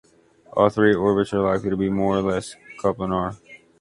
All three orbits are likely to be more or less coplanar.